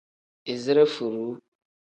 Izire furuu.